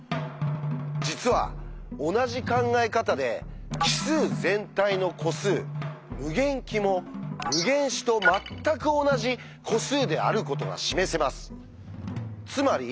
実は同じ考え方で奇数全体の個数「∞き」も「∞自」とまったく同じ個数であることが示せます。